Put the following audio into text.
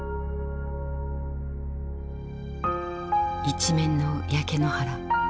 一面の焼け野原。